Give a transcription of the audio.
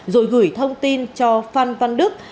rồi gửi thông tin cho phan văn đức